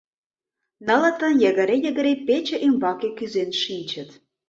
Нылытын йыгыре-йыгыре пече ӱмбаке кӱзен шинчыт.